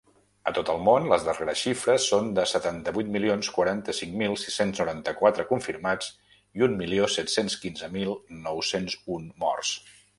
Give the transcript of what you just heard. A tot el món, les darreres xifres són de setanta-vuit milions quaranta-cinc mil sis-cents noranta-quatre confirmats i un milió set-cents quinze mil nou-cents un morts.